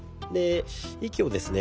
息をですね